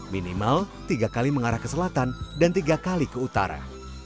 minimal tiga kali mengarah ke selatan dan tiga kali ke utara